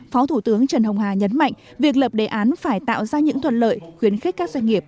phó thủ tướng trần hồng hà nhấn mạnh việc lập đề án phải tạo ra những thuận lợi khuyến khích các doanh nghiệp